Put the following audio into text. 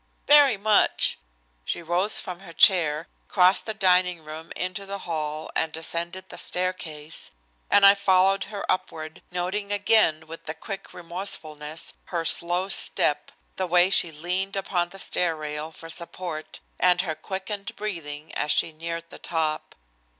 "Very much." She rose from her chair, crossed the dining room into the hall and ascended the staircase, and I followed her upward, noting again, with a quick remorsefulness, her slow step, the way she leaned upon the stair rail for support and her quickened breathing as she neared the top.